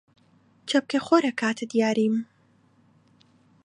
چەپکێ خۆر ئەکاتە دیاریم!